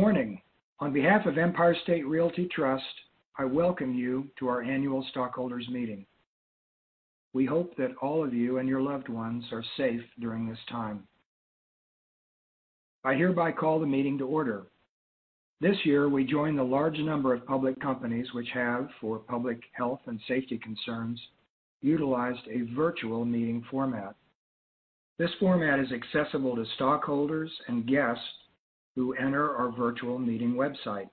Good morning. On behalf of Empire State Realty Trust, I welcome you to our Annual Stockholders Meeting. We hope that all of you and your loved ones are safe during this time. I hereby call the meeting to order. This year, we join the large number of public companies which have, for public health and safety concerns, utilized a virtual meeting format. This format is accessible to stockholders and guests who enter our virtual meeting website.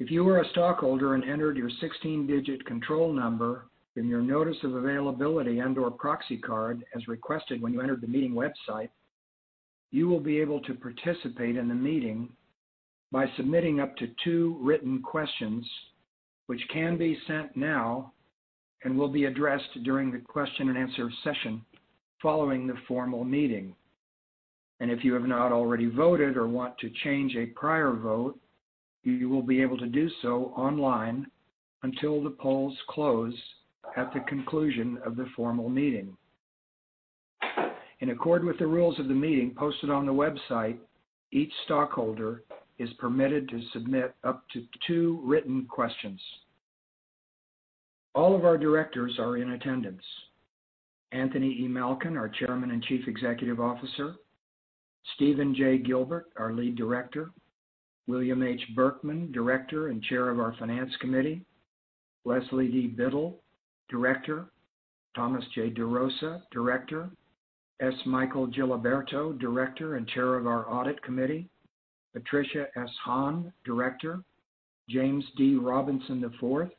If you are a stockholder and entered your 16-digit control number in your notice of availability and/or proxy card as requested when you entered the meeting website, you will be able to participate in the meeting by submitting up to two written questions which can be sent now and will be addressed during the question and answer session following the formal meeting. If you have not already voted or want to change a prior vote, you will be able to do so online until the polls close at the conclusion of the formal meeting. In accord with the rules of the meeting posted on the website, each stockholder is permitted to submit up to two written questions. All of our Directors are in attendance. Anthony E. Malkin, our Chairman and Chief Executive Officer. Steven J. Gilbert, our Lead Director. William H. Berkman, Director and Chair of our Finance Committee. Leslie D. Biddle, Director. Thomas J. DeRosa, Director. S. Michael Giliberto, Director and Chair of our Audit Committee. Patricia S. Han, Director. James D. Robinson IV,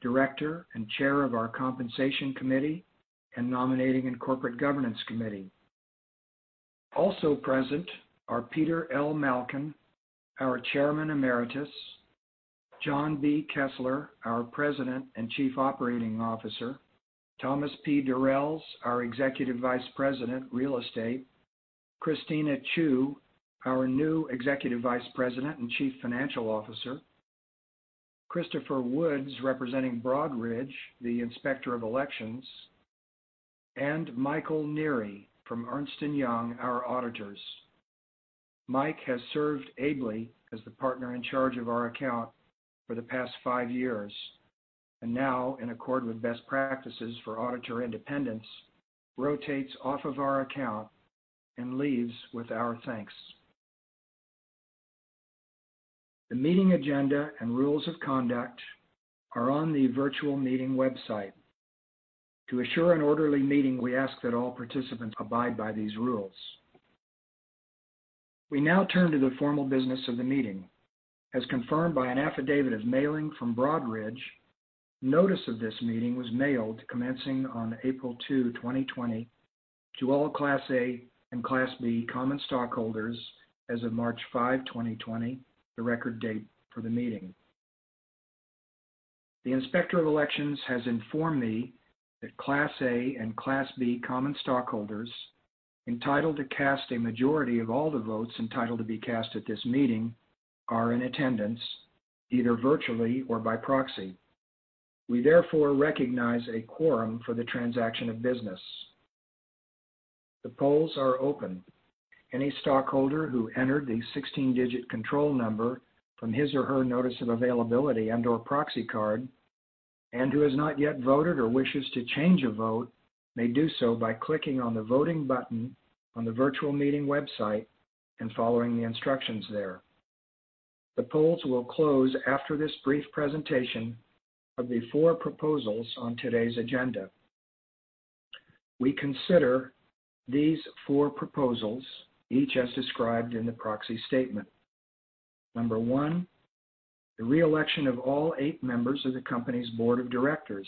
Director and Chair of our Compensation Committee and Nominating and Corporate Governance Committee. Also present are Peter L. Malkin, our Chairman Emeritus. John B. Kessler, our President and Chief Operating Officer. Thomas P. Durels, our Executive Vice President, Real Estate. Christina Chiu, our new Executive Vice President and Chief Financial Officer. Christopher Woods, representing Broadridge, the Inspector of Elections, and Michael Neary from Ernst & Young, our auditors. Mike has served ably as the Partner in Charge of our account for the past five years, and now in accord with best practices for auditor independence, rotates off of our account and leaves with our thanks. The meeting agenda and rules of conduct are on the virtual meeting website. To assure an orderly meeting, we ask that all participants abide by these rules. We now turn to the formal business of the meeting. As confirmed by an affidavit of mailing from Broadridge, notice of this meeting was mailed commencing on April 2, 2020 to all Class A and Class B common stockholders as of March 5, 2020, the record date for the meeting. The Inspector of Elections has informed me that Class A and Class B common stockholders entitled to cast a majority of all the votes entitled to be cast at this meeting are in attendance either virtually or by proxy. We therefore recognize a quorum for the transaction of business. The polls are open. Any stockholder who entered the 16-digit control number from his or her notice of availability and/or proxy card, and who has not yet voted or wishes to change a vote, may do so by clicking on the voting button on the virtual meeting website and following the instructions there. The polls will close after this brief presentation of the four proposals on today's agenda. We consider these four proposals, each as described in the proxy statement. Number one, the reelection of all eight members of the company's Board of Directors.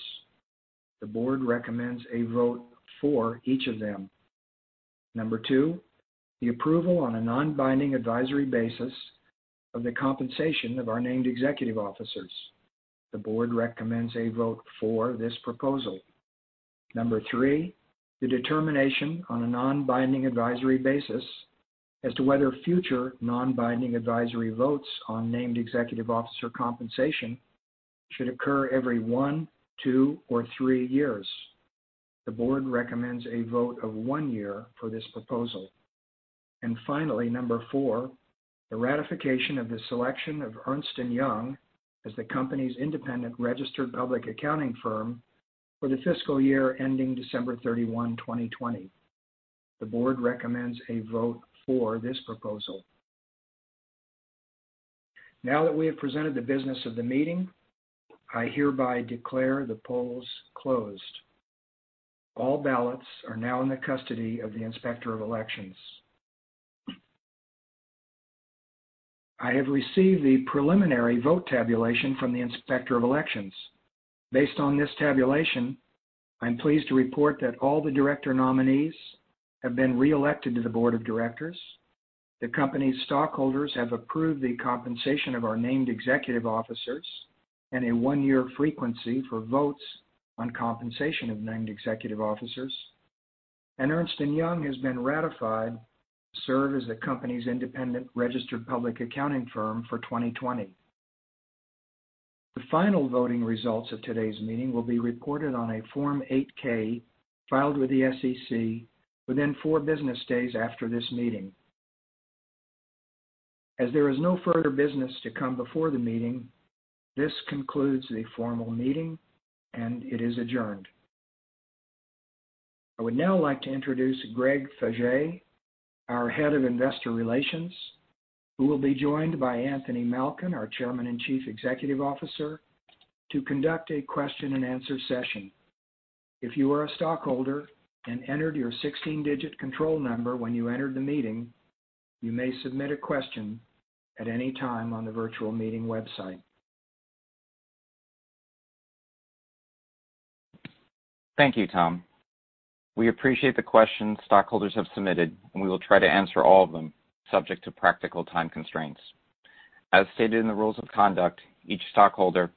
The board recommends a vote for each of them. Number two, the approval on a non-binding advisory basis of the compensation of our named executive officers. The board recommends a vote for this proposal. Number three, the determination on a non-binding advisory basis as to whether future non-binding advisory votes on named executive officer compensation should occur every one, two, or three years. The board recommends a vote of one year for this proposal. Finally, number four, the ratification of the selection of Ernst & Young as the company's independent registered public accounting firm for the fiscal year ending December 31, 2020. The board recommends a vote for this proposal. Now that we have presented the business of the meeting, I hereby declare the polls closed. All ballots are now in the custody of the Inspector of Elections. I have received the preliminary vote tabulation from the Inspector of Elections. Based on this tabulation, I'm pleased to report that all the director nominees have been reelected to the Board of Directors. The company's stockholders have approved the compensation of our named executive officers and a one-year frequency for votes on compensation of named executive officers. Ernst & Young has been ratified to serve as the company's independent registered public accounting firm for 2020. The final voting results of today's meeting will be reported on a Form 8-K filed with the SEC within four business days after this meeting. As there is no further business to come before the meeting, this concludes the formal meeting, and it is adjourned. I would now like to introduce Greg Faje, our Head of Investor Relations, who will be joined by Anthony Malkin, our Chairman and Chief Executive Officer, to conduct a question-and-answer session. If you are a stockholder and entered your 16-digit control number when you entered the meeting, you may submit a question at any time on the virtual meeting website. Thank you, Tom. We appreciate the questions stockholders have submitted. We will try to answer all of them, subject to practical time constraints. As stated in the rules of conduct, each stockholder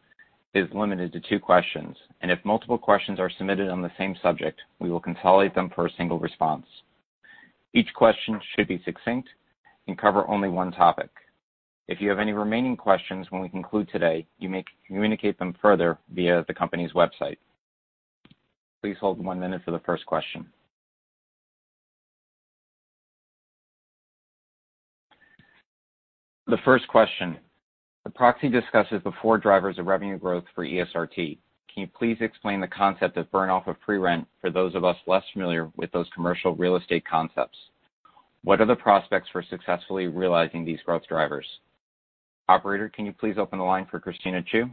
is limited to two questions. If multiple questions are submitted on the same subject, we will consolidate them for a single response. Each question should be succinct and cover only one topic. If you have any remaining questions when we conclude today, you may communicate them further via the company's website. Please hold one minute for the first question. The first question: The proxy discusses the four drivers of revenue growth for ESRT. Can you please explain the concept of burn-off of free rent for those of us less familiar with those commercial real estate concepts? What are the prospects for successfully realizing these growth drivers? Operator, can you please open the line for Christina Chiu?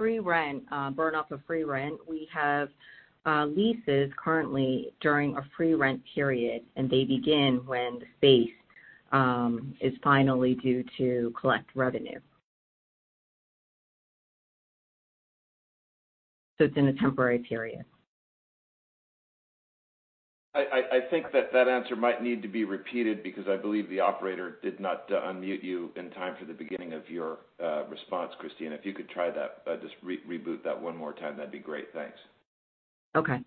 Free rent, burn-off of free rent. We have leases currently during a free rent period. They begin when the space is finally due to collect revenue. It's in a temporary period. I think that that answer might need to be repeated, because I believe the operator did not unmute you in time for the beginning of your response, Christina. If you could try that, just reboot that one more time, that'd be great. Thanks. Okay.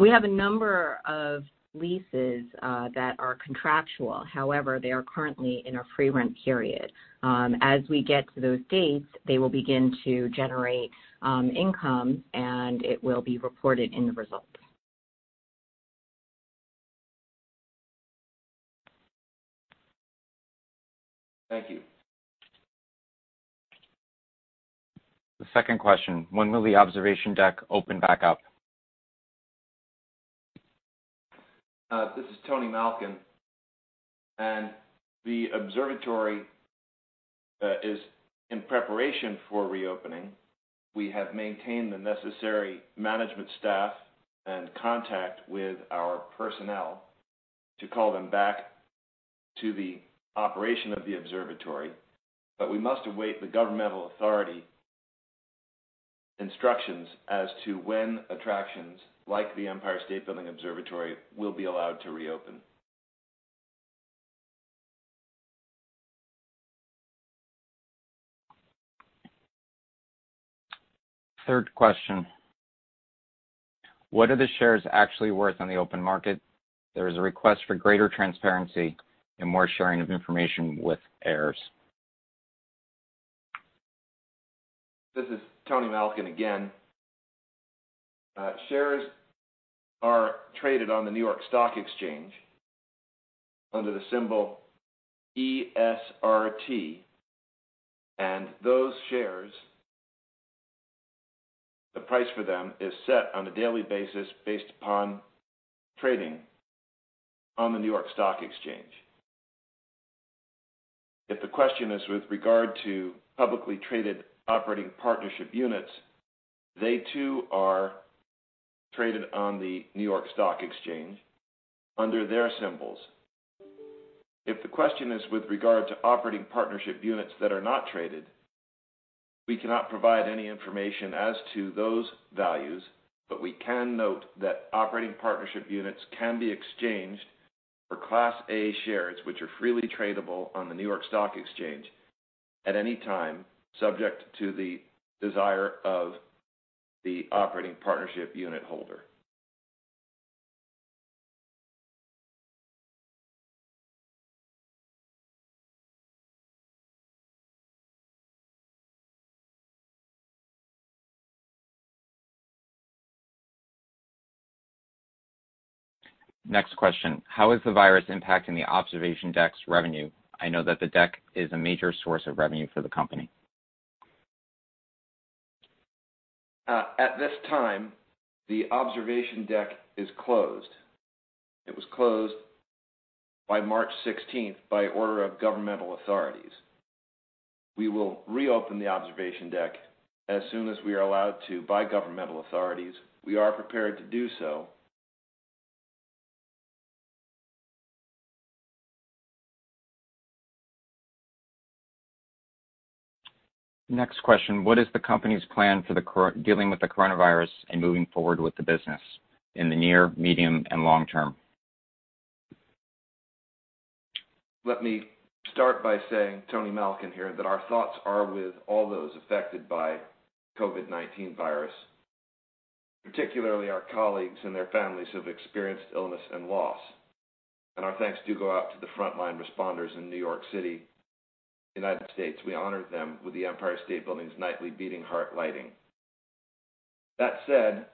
We have a number of leases that are contractual. However, they are currently in a free rent period. As we get to those dates, they will begin to generate income, and it will be reported in the results. Thank you. The second question: When will the observation deck open back up? This is Tony Malkin. The observatory is in preparation for reopening. We have maintained the necessary management staff and contact with our personnel to call them back to the operation of the observatory. We must await the governmental authority instructions as to when attractions like the Empire State Building Observatory will be allowed to reopen. Third question: What are the shares actually worth on the open market? There is a request for greater transparency and more sharing of information with heirs. This is Tony Malkin again. Shares are traded on the New York Stock Exchange under the symbol ESRT. Those shares, the price for them is set on a daily basis based upon trading on the New York Stock Exchange. If the question is with regard to publicly traded operating partnership units, they too are traded on the New York Stock Exchange under their symbols. If the question is with regard to operating partnership units that are not traded, we cannot provide any information as to those values, but we can note that operating partnership units can be exchanged for Class A shares, which are freely tradable on the New York Stock Exchange at any time, subject to the desire of the operating partnership unit holder. Next question: How is the virus impacting the observation deck's revenue? I know that the deck is a major source of revenue for the company. At this time, the observation deck is closed. It was closed by March 16th by order of governmental authorities. We will reopen the observation deck as soon as we are allowed to by governmental authorities. We are prepared to do so. Next question: What is the company's plan for dealing with the coronavirus and moving forward with the business in the near, medium, and long term? Let me start by saying, Tony Malkin here, that our thoughts are with all those affected by COVID-19 virus, particularly our colleagues and their families who have experienced illness and loss. Our thanks do go out to the frontline responders in New York City, United States. We honored them with the Empire State Building's nightly beating heart lighting. That said,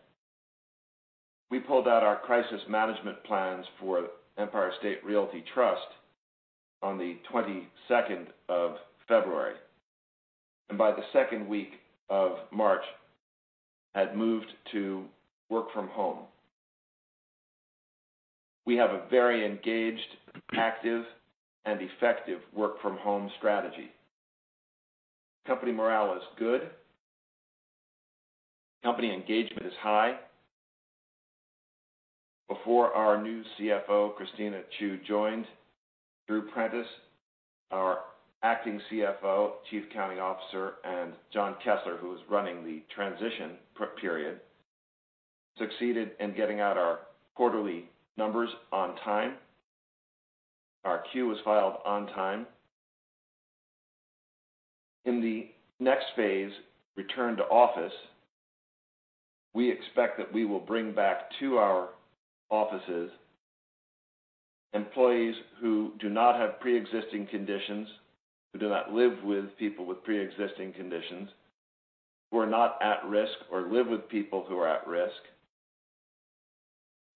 we pulled out our crisis management plans for Empire State Realty Trust on the February 22nd, and by the second week of March, had moved to work from home. We have a very engaged, active, and effective work from home strategy. Company morale is good. Company engagement is high. Before our new CFO, Christina Chiu, joined, Drew Prentice, our acting CFO, Chief Accounting Officer, and John Kessler, who was running the transition period, succeeded in getting out our quarterly numbers on time. Our Q was filed on time. In the next phase, return to office, we expect that we will bring back to our offices employees who do not have preexisting conditions, who do not live with people with preexisting conditions, who are not at risk, or live with people who are at risk,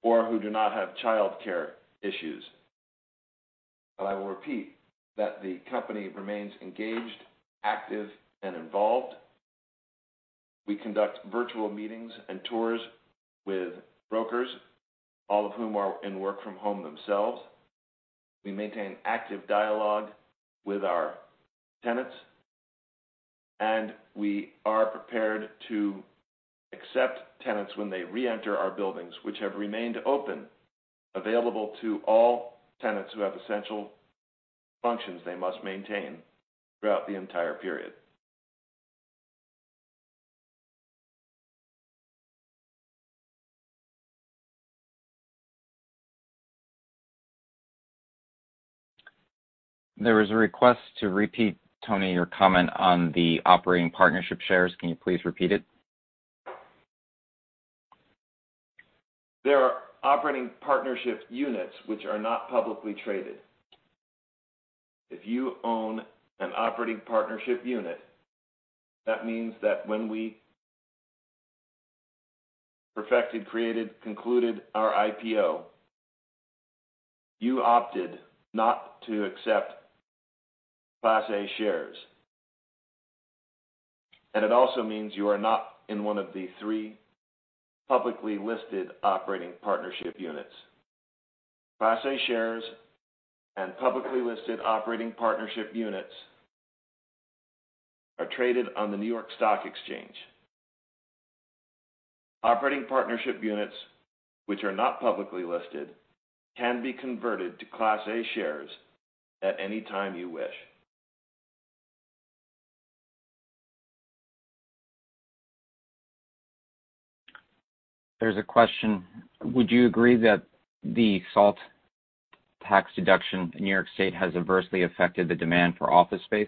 or who do not have childcare issues. I will repeat that the company remains engaged, active, and involved. We conduct virtual meetings and tours with brokers, all of whom are in work from home themselves. We maintain active dialogue with our tenants, and we are prepared to accept tenants when they reenter our buildings, which have remained open, available to all tenants who have essential functions they must maintain throughout the entire period. There was a request to repeat, Tony, your comment on the operating partnership shares. Can you please repeat it? There are operating partnership units which are not publicly traded. If you own an operating partnership unit, that means that when we perfected, created, concluded our IPO, you opted not to accept Class A shares. It also means you are not in one of the three publicly listed operating partnership units. Class A shares and publicly listed operating partnership units are traded on the New York Stock Exchange. Operating partnership units which are not publicly listed can be converted to Class A shares at any time you wish. There's a question, would you agree that the SALT tax deduction in New York State has adversely affected the demand for office space?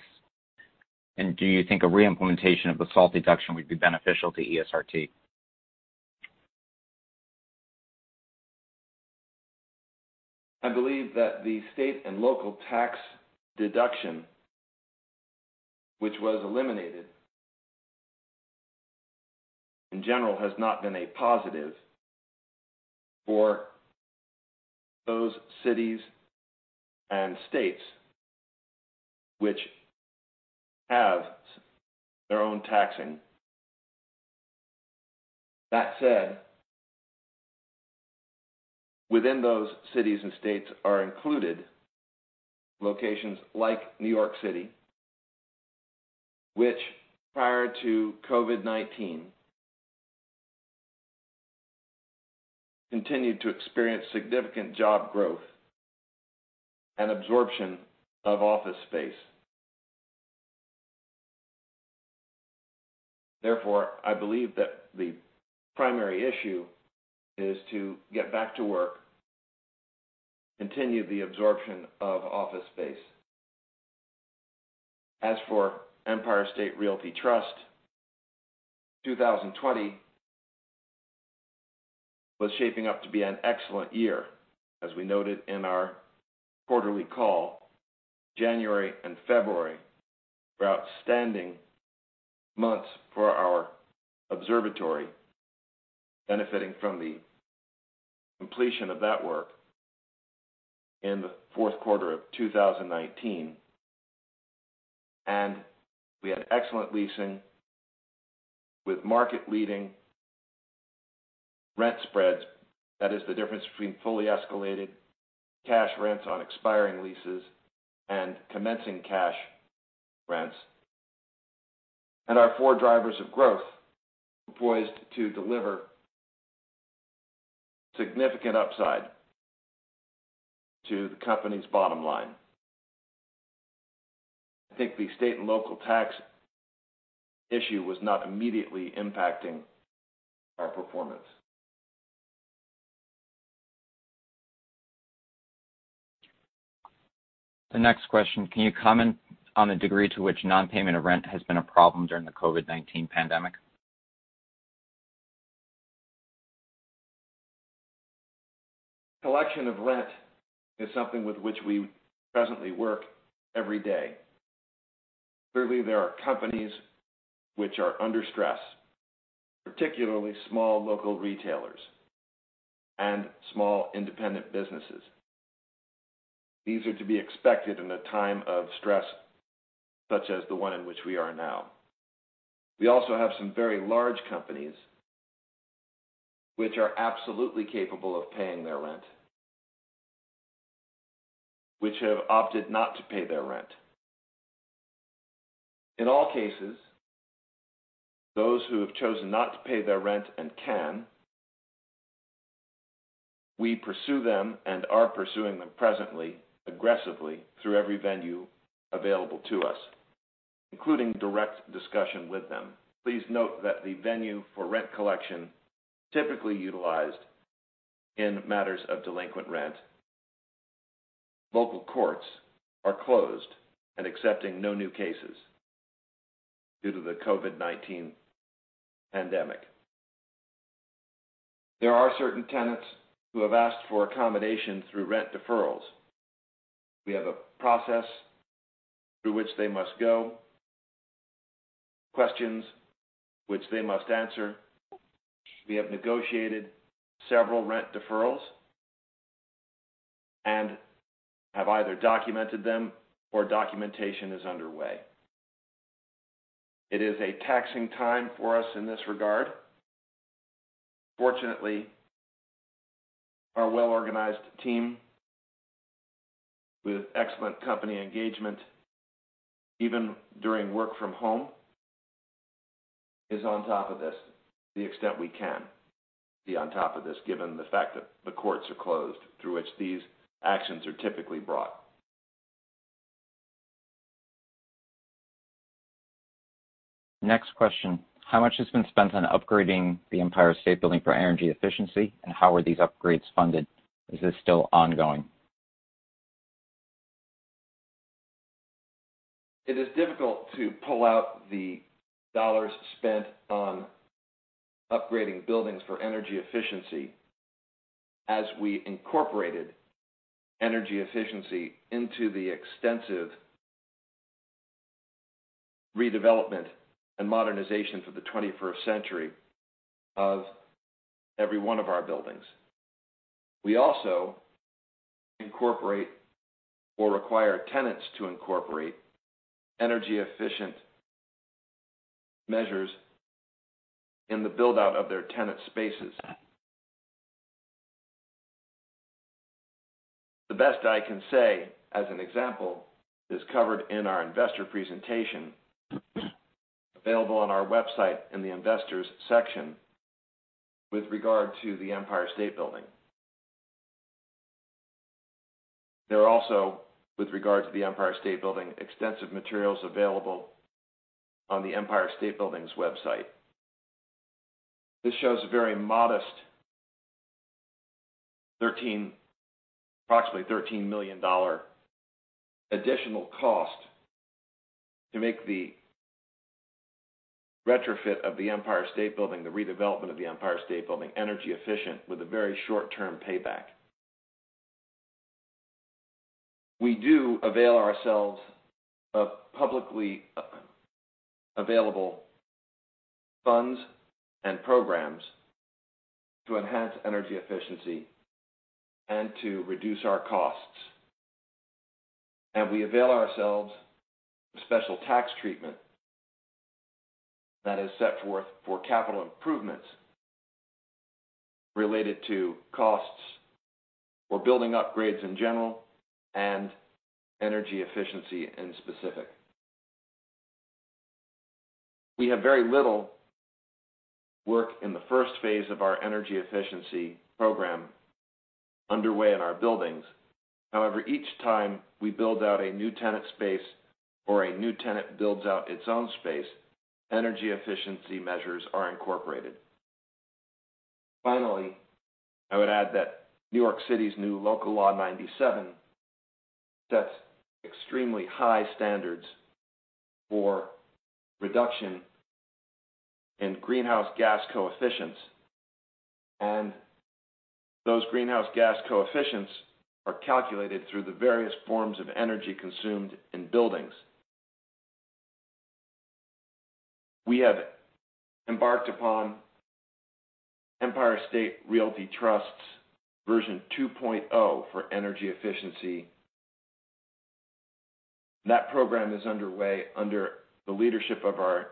Do you think a re-implementation of the SALT deduction would be beneficial to ESRT? I believe that the state and local tax deduction, which was eliminated, in general, has not been a positive for those cities and states which have their own taxing. That said, within those cities and states are included locations like New York City, which prior to COVID-19, continued to experience significant job growth and absorption of office space. I believe that the primary issue is to get back to work, continue the absorption of office space. As for Empire State Realty Trust, 2020 was shaping up to be an excellent year, as we noted in our quarterly call. January and February were outstanding months for our observatory, benefiting from the completion of that work in the fourth quarter of 2019. We had excellent leasing with market-leading rent spreads. That is the difference between fully escalated cash rents on expiring leases and commencing cash rents. Our four drivers of growth were poised to deliver significant upside to the company's bottom line. I think the state and local tax issue was not immediately impacting our performance. The next question, can you comment on the degree to which non-payment of rent has been a problem during the COVID-19 pandemic? Collection of rent is something with which we presently work every day. Clearly, there are companies which are under stress, particularly small local retailers and small independent businesses. These are to be expected in a time of stress, such as the one in which we are now. We also have some very large companies which are absolutely capable of paying their rent, which have opted not to pay their rent. In all cases, those who have chosen not to pay their rent and can, we pursue them and are pursuing them presently, aggressively, through every venue available to us, including direct discussion with them. Please note that the venue for rent collection typically utilized in matters of delinquent rent, local courts are closed and accepting no new cases due to the COVID-19 pandemic. There are certain tenants who have asked for accommodation through rent deferrals. We have a process through which they must go. Questions which they must answer. We have negotiated several rent deferrals and have either documented them or documentation is underway. It is a taxing time for us in this regard. Fortunately, our well-organized team with excellent company engagement, even during work from home, is on top of this to the extent we can be on top of this, given the fact that the courts are closed through which these actions are typically brought. Next question. How much has been spent on upgrading the Empire State Building for energy efficiency? How are these upgrades funded? Is this still ongoing? It is difficult to pull out the dollars spent on upgrading buildings for energy efficiency, as we incorporated energy efficiency into the extensive redevelopment and modernization for the 21st century of every one of our buildings. We also incorporate or require tenants to incorporate energy efficient measures in the build-out of their tenant spaces. The best I can say, as an example, is covered in our investor presentation, available on our website in the Investors section with regard to the Empire State Building. There are also, with regard to the Empire State Building, extensive materials available on the Empire State Building's website. This shows a very modest, approximately $13 million additional cost to make the retrofit of the Empire State Building, the redevelopment of the Empire State Building, energy efficient with a very short-term payback. We do avail ourselves of publicly available funds and programs to enhance energy efficiency and to reduce our costs. We avail ourselves of special tax treatment that is set forth for capital improvements related to costs for building upgrades in general and energy efficiency in specific. We have very little work in the first phase of our energy efficiency program underway in our buildings. However, each time we build out a new tenant space or a new tenant builds out its own space, energy efficiency measures are incorporated. Finally, I would add that New York City's new Local Law 97 sets extremely high standards for reduction in greenhouse gas coefficients, and those greenhouse gas coefficients are calculated through the various forms of energy consumed in buildings. We have embarked upon Empire State Realty Trust version 2.0 for energy efficiency. That program is underway under the leadership of our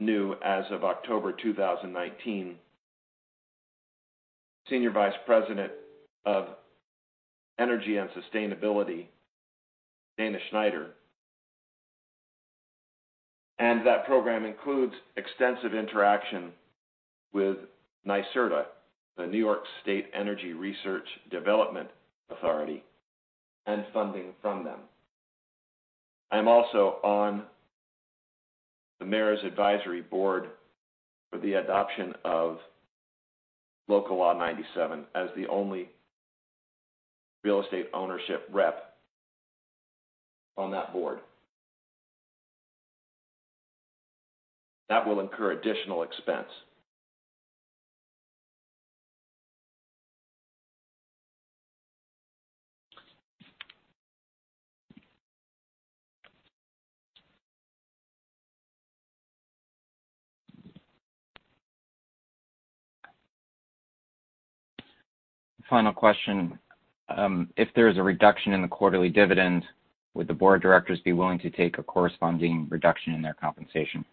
new, as of October 2019, Senior Vice President of Energy and Sustainability, Dana Schneider. That program includes extensive interaction with NYSERDA, the New York State Energy Research and Development Authority, and funding from them. I'm also on the Mayor's Advisory Board for the adoption of Local Law 97 as the only real estate ownership rep on that board. That will incur additional expense. Final question. If there is a reduction in the quarterly dividend, would the board of directors be willing to take a corresponding reduction in their compensation?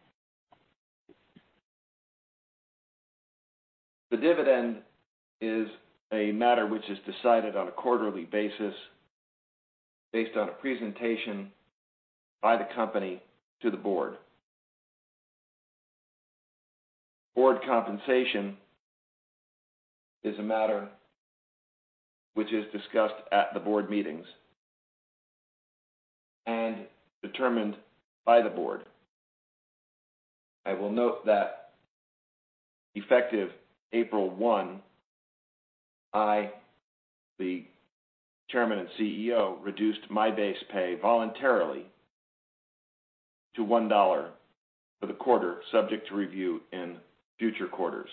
The dividend is a matter which is decided on a quarterly basis based on a presentation by the company to the board. Board compensation is a matter which is discussed at the board meetings and determined by the board. I will note that effective April 1, I, the Chairman and CEO, reduced my base pay voluntarily to $1 for the quarter, subject to review in future quarters.